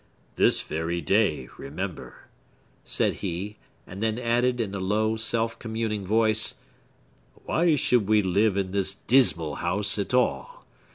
"This very day, remember" said he; and then added, in a low, self communing voice, "Why should we live in this dismal house at all?